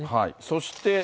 そして。